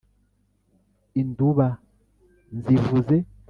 induba nzivuze